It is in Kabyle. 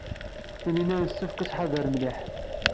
Taninna yessefk ad tḥader mliḥ.